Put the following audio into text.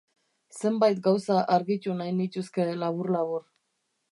Zenbait gauza argitu nahi nituzke labur-labur.